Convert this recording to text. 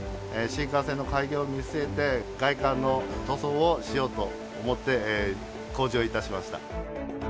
新幹線の開業を見据えて、外観の塗装をしようと思って工事をいたしました。